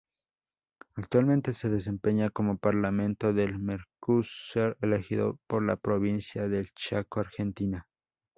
Actualmente se desempeña como Parlamentario del Mercosur elegido por la Provincia del Chaco, Argentina.